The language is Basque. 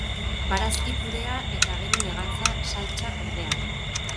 Barazki purea eta gero legatza saltsa berdean.